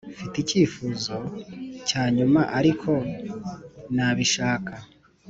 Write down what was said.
mfite icyifuzo cya nyuma, ariko nabishaka